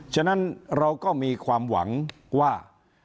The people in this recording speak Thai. ฉะนั้นเราก็มีความหวังว่า